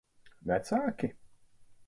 Vecāki?